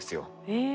へえ。